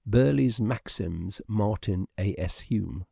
(Burleigh 's maxims — Martin A. S. Hume.)